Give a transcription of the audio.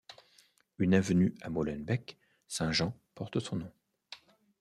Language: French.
Une avenue à Molenbeek Saint-Jean porte son nom.